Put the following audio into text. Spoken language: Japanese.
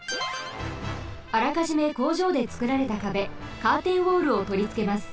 あらかじめ工場でつくられた壁カーテンウォールをとりつけます。